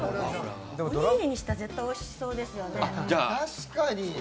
おにぎりにしたら絶対おいしそうですね。